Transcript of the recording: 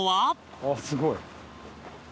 ああすごい。